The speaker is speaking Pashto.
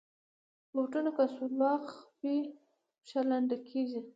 بوټونه که سوراخ وي، پښه لنده کېږي.